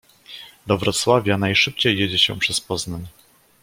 Do Wrocławia najszybciej jedzie się przez Poznań.